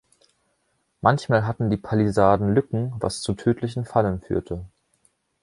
Manchmal hatten die Palisaden Lücken, was zu tödlichen Fallen führte.